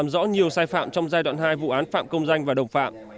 có nhiều sai phạm trong giai đoạn hai vụ án phạm công danh và đồng phạm